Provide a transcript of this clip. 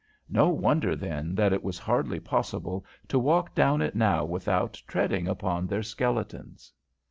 No wonder, then, that it was hardly possible to walk down it now without treading upon their skeletons.